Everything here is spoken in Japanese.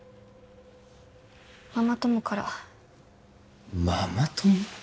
ママ友からママ友？